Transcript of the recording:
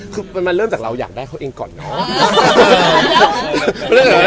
คือมันเริ่มจากเราอยากได้เขาเองก่อนเนาะ